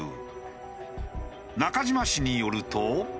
中島氏によると。